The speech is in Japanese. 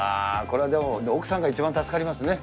これはでも奥さんが一番助かりますね。